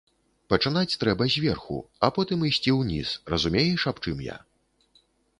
Пачынаць трэба зверху, а потым ісці ўніз, разумееш, аб чым я?